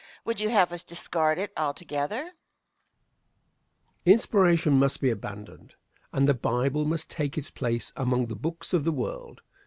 Would you have us discard it altogether? Answer. Inspiration must be abandoned, and the Bible must take its place among the books of the world.